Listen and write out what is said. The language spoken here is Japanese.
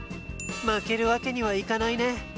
負けるわけにはいかないね。